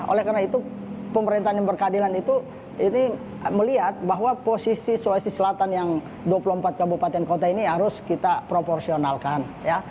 oleh karena itu pemerintahan yang berkeadilan itu ini melihat bahwa posisi sulawesi selatan yang dua puluh empat kabupaten kota ini harus kita proporsionalkan